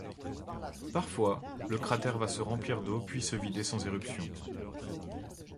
Parfois, le cratère va se remplir d'eau puis se vider sans éruption.